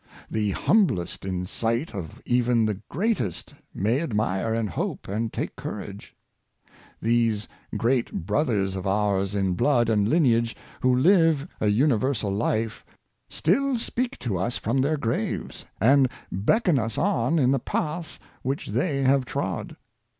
The humblest, in sight of even the greatest, may admire, and hope, and take courage. These great brothers of ours in blood and lineage, who live a universal life, still speak to us from their graves, and beckon us on in the paths which they have trod.